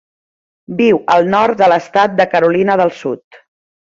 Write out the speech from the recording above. Viu al nord de l'estat de Carolina del Sud.